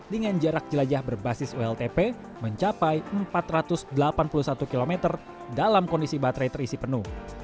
dengan jarak jelajah berbasis ultp mencapai empat ratus delapan puluh satu km dalam kondisi baterai terisi penuh